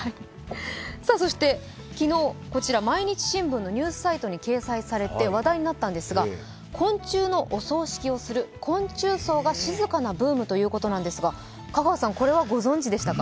昨日、毎日新聞のニュースサイトに掲載され話題になったんですが、昆虫のお葬式をする昆虫葬が静かなブームということなんですが、これはご存じでしたか？